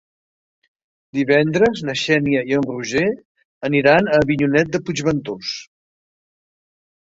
Divendres na Xènia i en Roger aniran a Avinyonet de Puigventós.